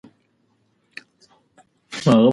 د جنوري په لومړۍ نېټه به زموږ نوی کال پیل شي.